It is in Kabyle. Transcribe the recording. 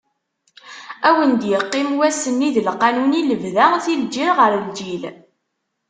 Ad wen-d-iqqim wass-nni d lqanun i lebda, si lǧil ɣer lǧil.